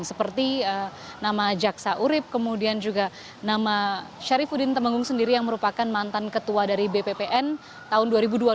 seperti nama jaksa urip kemudian juga nama syarifudin temenggung sendiri yang merupakan mantan ketua dari bppn tahun dua ribu dua belas